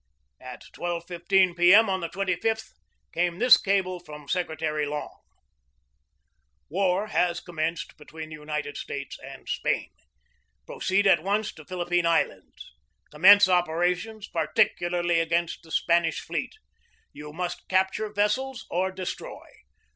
At 12.15 p M > n tne 2 5th, came this cable from Secretary Long: " War has commenced between the United States and Spain. Proceed at once to Philippine Islands. Commence operations particularly against the Spanish fleet. You must capture vessels or destroy.